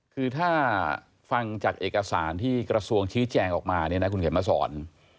คือถ้าฟังจากเอกสารที่กระทรวงชี้แจงออกมาเนี่ยนะคุณเข็มมาสอน